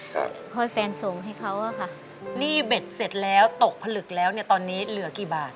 คอยแฟนส่งให้เขาอะค่ะหนี้เบ็ดเสร็จแล้วตกผลึกแล้วเนี่ยตอนนี้เหลือกี่บาท